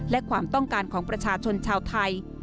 และความต้องการของประชาชนชาวไทย